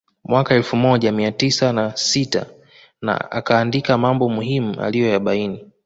Mwaka elfu moja mia tisa na sita na akaandika mambo muhimu aliyoyabaini